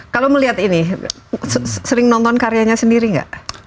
kalo melihat ini sering nonton karyanya sendiri gak